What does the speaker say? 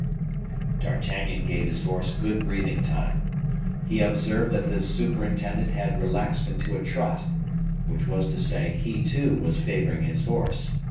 D'Artagnan gave his horse good breathing time. He observed that the superintendent had relaxed into a trot, which was to say, he, too, was favoring his horse.